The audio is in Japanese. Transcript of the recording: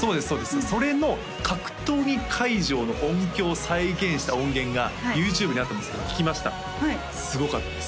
それの格闘技会場の音響を再現した音源がＹｏｕＴｕｂｅにあったんですけど聴きましたすごかったです